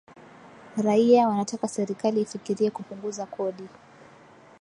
Raia wanataka serikali ifikirie kupunguza kodi